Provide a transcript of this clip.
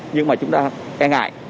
nhưng mà chúng ta e ngại